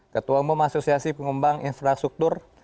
ketua umum asosiasi pengembang infrastruktur